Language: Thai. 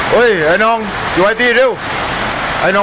รือมดังมันดัง